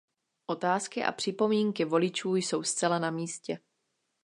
Otázky a připomínky voličů jsou zcela namístě.